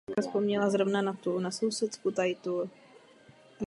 Nicméně čekáme s velkým zájmem na právně závazné návrhy.